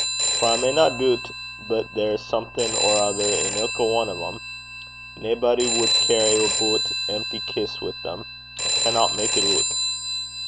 For I mayna doobt but there's something or ither in ilka ane o' them. Naebody wad carry aboot toom (empty) kists wi' them. I cannot mak' it oot.'